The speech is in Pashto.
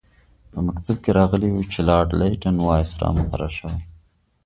په مکتوب کې راغلي وو چې لارډ لیټن وایسرا مقرر شوی.